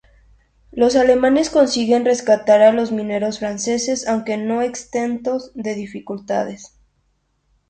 Los alemanes consiguen rescatar a los mineros franceses, aunque no exentos de dificultades.